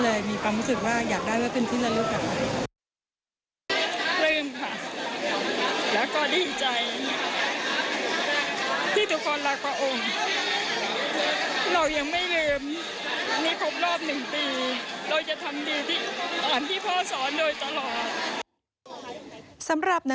มีความรู้สึกว่าอยากได้ว่าเป็นที่ละลึกกัน